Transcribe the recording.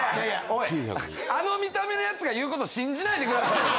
おいあの見た目の奴が言うこと信じないでくださいよ。